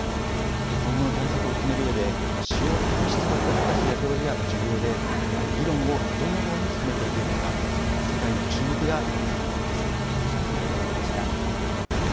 今後の対策を進めるうえで、主要な排出国が果たす役割は重要で、議論をどのように進めていけるのか、世界の注目が集まっています。